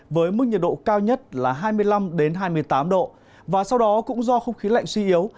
với mức nhiệt độ cao nhất là hai mươi năm hai mươi tám độ và sau đó cũng do không khí lạnh suy yếu